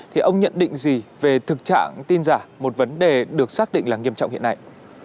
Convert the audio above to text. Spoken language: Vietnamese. thì ông nhận định gì về thực trạng tin giả một vấn đề được xác định là nghiêm trọng hiện nay